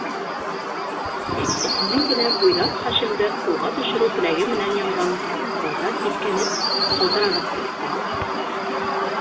- Эсенән генә буйҙаҡ Хашимды ҡулға төшөрөү теләге менән янған Рауза һиҫкәнеп, ҡалтыранып китте.